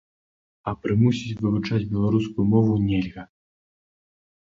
А прымусіць вывучаць беларускую мову нельга.